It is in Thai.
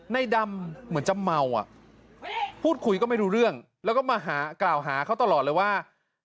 ในดำเหมือนจะเมาอ่ะพูดคุยก็ไม่รู้เรื่องแล้วก็มากล่าวหาเขาตลอดเลยว่า